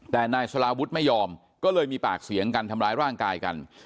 แต่นายสลาวุฒิไม่ยอมก็เลยมีปากเสียงกันทำร้ายร่างกายกัน